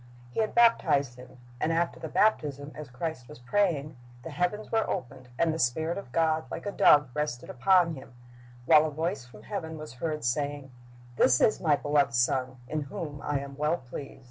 "' He had baptized Him, and after the baptism, as Christ was praying, the heavens were opened, and the Spirit of God like a dove rested upon Him, while a voice from heaven was heard saying, "This is My beloved Son, in whom I am well pleased."